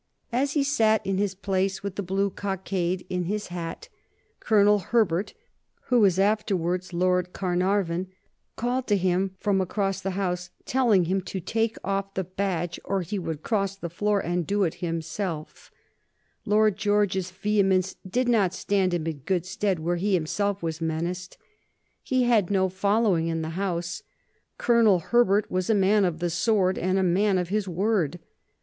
As he sat in his place, with the blue cockade in his hat, Colonel Herbert, who was afterwards Lord Carnarvon, called to him from across the House, telling him to take off the badge or he would cross the floor and do it himself, Lord George's vehemence did not stand him in good stead where he himself was menaced. He had no following in the House. Colonel Herbert was a man of the sword and a man of his word.